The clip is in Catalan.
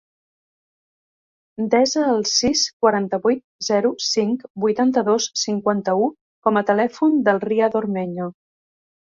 Desa el sis, quaranta-vuit, zero, cinc, vuitanta-dos, cinquanta-u com a telèfon del Riad Ormeño.